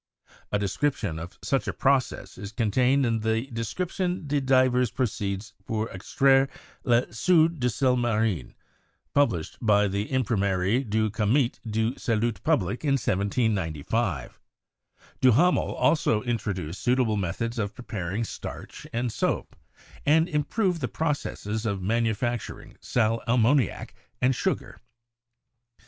A description of such a process is contained in the 'Description de Divers Procedes pour Extraire la Soude du Sel Marin,' published by the Tm primerie du Comite de Salut public' in 1795. Duhamel also introduced suitable methods of preparing starch and soap, and improved the processes of manufacturing sal ammoniac and sugar.